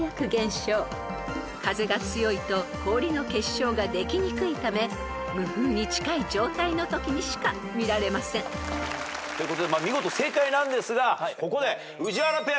［風が強いと氷の結晶ができにくいため無風に近い状態のときにしか見られません］ということで見事正解なんですがここで。